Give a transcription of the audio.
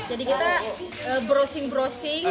jadi kita browsing browsing